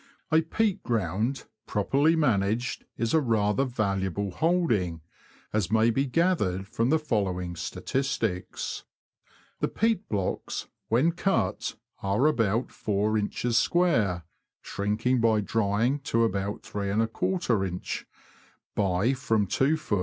A peat ground, properly managed, is a rather valuable holding, as may be gathered from the following statistics. The peat blocks, when cut, are about 4in. square (shrinking by drying to about 3Jin.) by from 2ft.